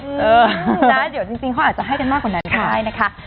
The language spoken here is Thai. อืมได้เดี๋ยวจริงเขาอาจจะให้กันมากกว่านั้น